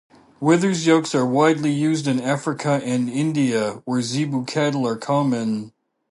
Withers yokes are widely used in Africa and India, where zebu cattle are common.